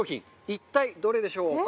一体、どれでしょうか？